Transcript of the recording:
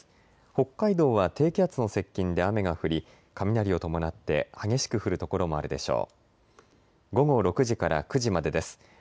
北海道は低気圧の接近で雨が降り雷を伴って激しく降る所もあるでしょう。